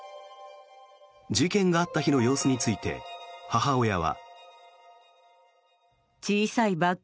事件があった日の様子について母親は。